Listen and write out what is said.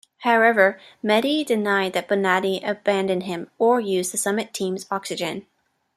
However, Mehdi denied that Bonatti abandoned him or used the summit team's oxygen.